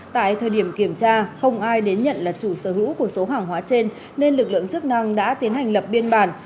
tại thời điểm kiểm tra không ai đến nhận là chủ sở hữu của số hàng hóa trên nên lực lượng chức năng đã tiến hành lập biên bản